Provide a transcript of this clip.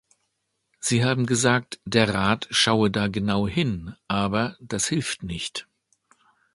Sie haben gesagt, der Rat schaue da genau hin, aber das hilft nicht.